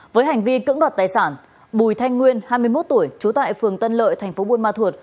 với hành vi cưỡng đoạt tài sản bùi thanh nguyên hai mươi một tuổi trú tại phường tân lợi thành phố buôn ma thuột